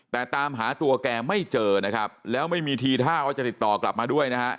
แต่ตามหาตัวแกไม่เจอนะครับแล้วไม่มีทีท่าว่าจะติดต่อกลับมาด้วยนะฮะ